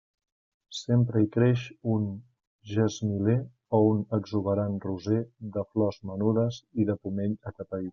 Sempre hi creix un gesmiler o un exuberant roser de flors menudes i de pomell atapeït.